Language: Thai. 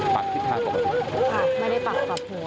ปากทิศทางปกติอ่าไม่ได้ปากกับหัว